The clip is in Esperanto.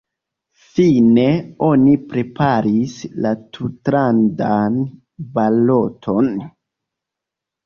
Fine oni preparis la tutlandan baloton.